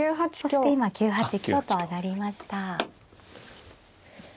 そして今９八香と上がりました。